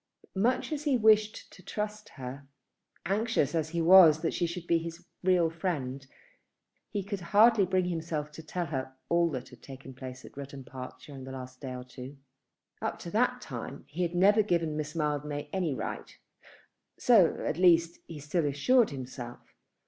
Much as he wished to trust her, anxious as he was that she should be his real friend he could hardly bring himself to tell her all that had taken place at Rudham Park during the last day or two. Up to that time he never had given Miss Mildmay any right. So, at least, he still assured himself.